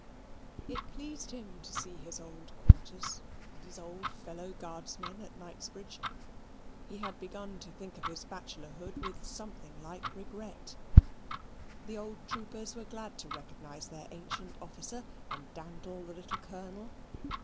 It pleased him to see his old quarters, and his old fellow guardsmen at Knightsbridge: he had begun to think of his bachelorhood with something like regret. The old troopers were glad to recognize their ancient officer and dandle the little colonel.